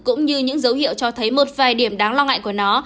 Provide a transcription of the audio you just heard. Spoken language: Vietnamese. cũng như những dấu hiệu cho thấy một vài điểm đáng lo ngại của nó